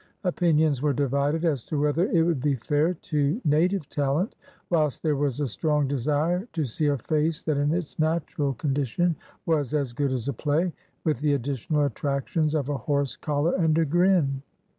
Opinions were divided as to whether it would be fair to native talent, whilst there was a strong desire to see a face that in its natural condition was "as good as a play," with the additional attractions of a horse collar and a grin.